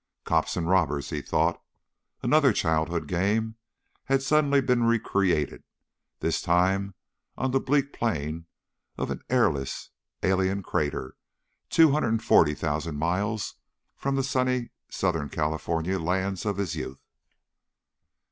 Cops and robbers, he thought. Another childhood game had suddenly been recreated, this time on the bleak plain of an airless alien crater 240,000 miles from the sunny Southern California lands of his youth.